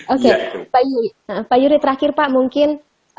oke pak yuri terakhir pak mungkin